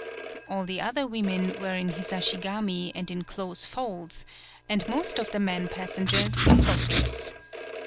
All the other women were in Hisashigami and in close folds, and most of the men pas sengers were soldiers.